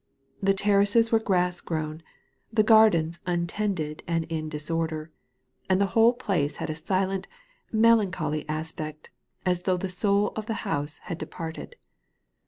The terraces were grass grown, the gardens untended and in disorder, and the whole place had a silent, melancholy aspect as though the soul of the house had departed.